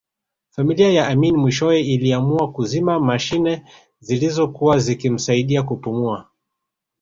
Familia ya Amin mwishowe iliamua kuzima mashine zilizokuwa zikimsaidia kupumua